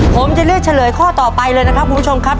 ผมจะเลือกเฉลยข้อต่อไปเลยนะครับคุณผู้ชมครับ